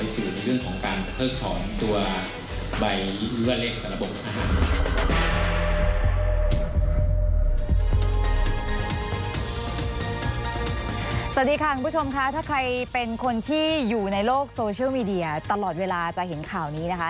สวัสดีค่ะคุณผู้ชมค่ะถ้าใครเป็นคนที่อยู่ในโลกโซเชียลมีเดียตลอดเวลาจะเห็นข่าวนี้นะคะ